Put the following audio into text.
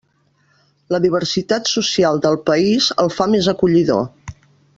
La diversitat social del país el fa més acollidor.